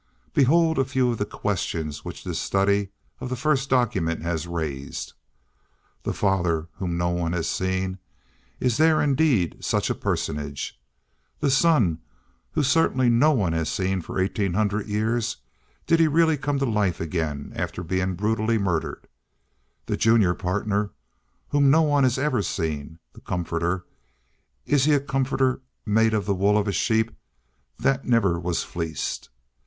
Behold a few of the questions which this study of the first documents has raised.—The Father, whom no one has seen, is there indeed such a personage? The Son, whom certainly no one has seen for eighteen hundred years, did he really come to life again after being brutally murdered? The junior partner, whom no one has ever seen, the Comforter, is he a comforter made of the wool of a sheep that never was fleeced?